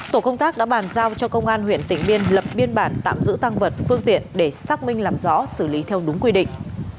tổ công tác đã bàn giao cho công an huyện tịnh biên lập biên bản tạm giữ tăng vật phương tiện để xác minh làm rõ xử lý theo đúng quy định